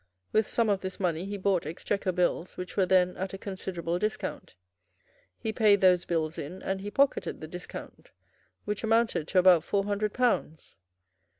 With some of this money he bought Exchequer Bills which were then at a considerable discount; he paid those bills in; and he pocketed the discount, which amounted to about four hundred pounds.